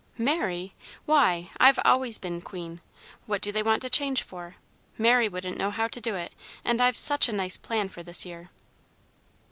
"Mary! Why? I've always been queen. What do they want to change for? Mary wouldn't know how to do it, and I've such a nice plan for this year!"